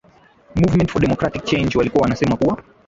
movement for democratic change walikuwa wanasema kuwa